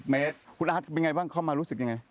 เมตรคุณอาร์ตเป็นไงบ้างเข้ามารู้สึกยังไง